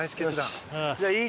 じゃあいい